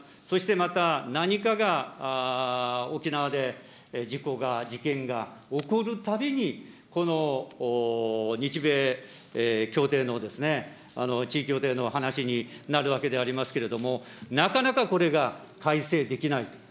そしてまた、何かが、沖縄で事故が、事件が起こるたびに、この日米協定の、地位協定の話になるわけでありますけれども、なかなかこれが改正できない。